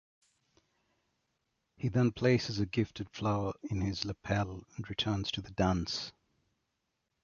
He then places a gifted flower in his lapel and returns to the dance.